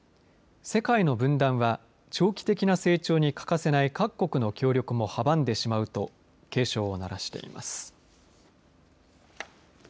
世界の分断は長期的な成長に欠かせない各国の協力も阻んでしまうと警鐘を鳴らしています。